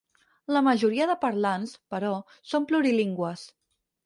La majoria de parlants, però, són plurilingües.